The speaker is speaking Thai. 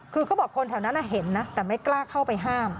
คือเขาบอกคนแถวนั้นเห็นนะแต่ไม่กล้าเข้าไปห้าม